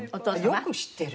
よく知ってる。